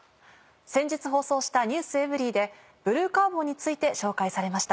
先日放送した『ｎｅｗｓｅｖｅｒｙ．』でブルーカーボンについて紹介されました。